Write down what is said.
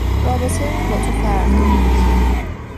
رابطه اون با تو فرق داره